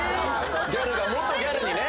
⁉ギャルが元ギャルにね。